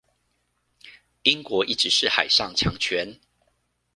英國一直是海上強權